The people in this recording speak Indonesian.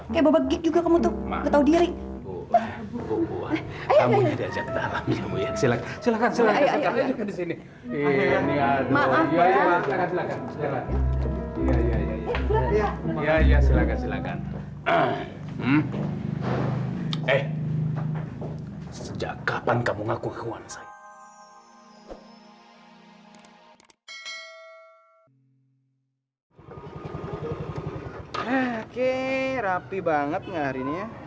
sejak kapan kamu ngaku ngakuan say